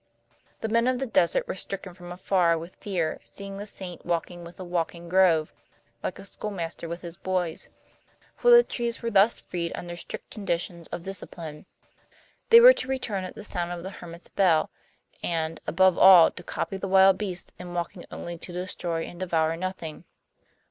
The men of the desert were stricken from afar with fear, seeing the saint walking with a walking grove, like a schoolmaster with his boys. For the trees were thus freed under strict conditions of discipline. They were to return at the sound of the hermit's bell, and, above all, to copy the wild beasts in walking only to destroy and devour nothing.